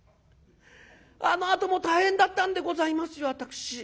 あのあともう大変だったんでございますよ私。